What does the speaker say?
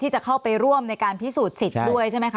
จะเข้าไปร่วมในการพิสูจน์สิทธิ์ด้วยใช่ไหมคะ